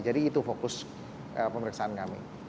jadi itu fokus pemeriksaan kami